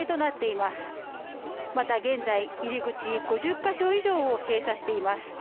また現在入り口５０か所以上を閉鎖しています